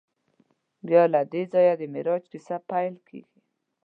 بیا له دې ځایه د معراج کیسه پیل کېږي.